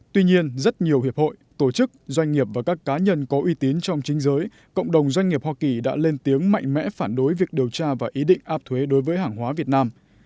tuy nhiên rất nhiều hiệp hội tổ chức doanh nghiệp và các cá nhân có uy tín trong chính giới cộng đồng doanh nghiệp hoa kỳ đã lên tiếng mạnh mẽ phản đối việc điều tra và ý định áp thuế đối với hàng hóa việt nam